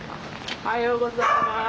おはようございます。